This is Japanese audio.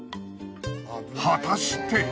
果たして。